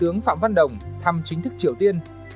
tướng phạm văn đồng thăm chính thức triều tiên